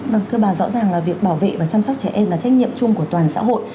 vâng thưa bà rõ ràng là việc bảo vệ và chăm sóc trẻ em là trách nhiệm chung của toàn xã hội